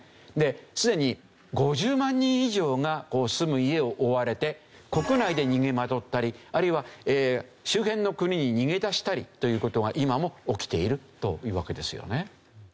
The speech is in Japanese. すでに５０万人以上が住む家を追われて国内で逃げ惑ったりあるいは周辺の国に逃げ出したりという事が今も起きているというわけですよね。